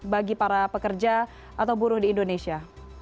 bagi para pekerja atau buruh di indonesia